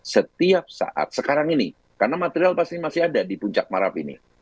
setiap saat sekarang ini karena material pasti masih ada di puncak marab ini